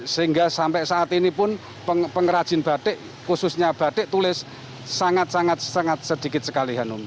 sehingga sampai saat ini pun pengrajin batik khususnya batik tulis sangat sangat sedikit sekali hanum